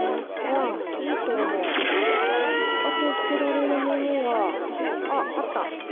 あと捨てられるものはあっあった。